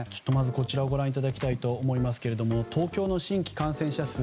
こちらをご覧いただきたいと思いますが東京の新規感染者数